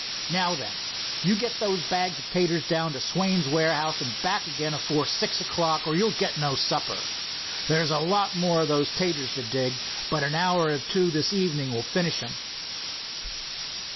Now then, you get those bags of taters down to Swain's warehouse and back again afore six o'clock, or you'll get no supper. There's a lot more of those taters to dig, but an hour or two this evening will finish them."